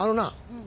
うん。